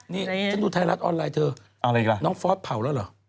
นี่จนดุไทยรัฐออนไลน์เธอน้องฟอสเผาแล้วเหรอ